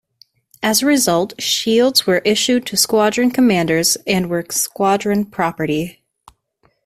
As a result, shields were issued to Squadron Commanders and were squadron property.